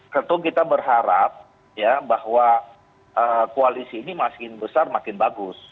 tentu kita berharap ya bahwa koalisi ini makin besar makin bagus